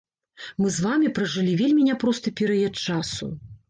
Мы з вамі пражылі вельмі няпросты перыяд часу.